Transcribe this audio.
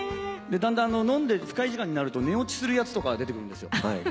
だんだん飲んで深い時間になると寝落ちするやつとか出てくるんですよ。